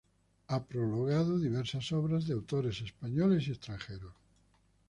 Ha prologado diversas obras de autores españoles y extranjeros.